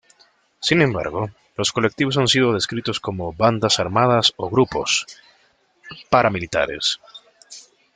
Sin embargo, los colectivos han sido descritos como bandas armadas o grupos paramilitares.